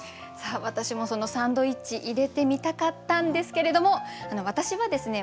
私もその「サンドイッチ」入れてみたかったんですけれども私はですね